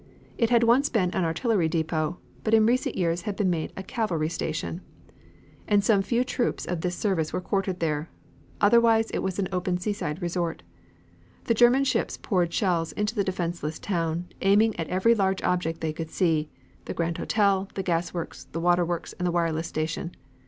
It had once been an artillery depot but in recent years had been a cavalry station, and some few troops of this service were quartered there. Otherwise it was an open seaside resort. The German ships poured shells into the defenseless town, aiming at every large object they could see, the Grand Hotel, the gas works, the water works and the wireless station.